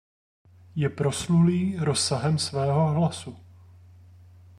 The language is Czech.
Je proslulý rozsahem svého hlasu.